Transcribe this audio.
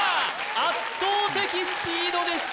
圧倒的スピードでした